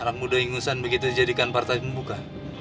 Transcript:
anak muda ingusan begitu dijadikan partai pembuka